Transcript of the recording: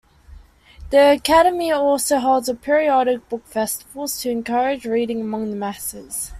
The Akademi also holds periodic book festivals to encourage reading among the masses.